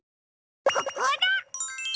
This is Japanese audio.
ここだ！